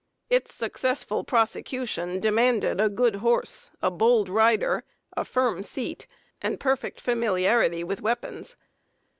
Its successful prosecution demanded a good horse, a bold rider, a firm seat, and perfect familiarity with weapons.